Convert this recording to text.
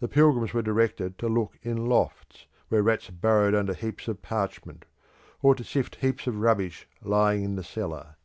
The pilgrims were directed to look in lofts, where rats burrowed under heaps of parchment; or to sift heaps of rubbish lying in the cellar.